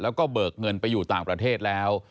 แล้วก็เบิกเงินไปอยู่ต่างประเทศแล้ว